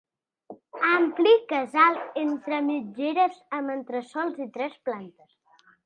Ampli casal entre mitgeres, amb entresòl i tres plantes.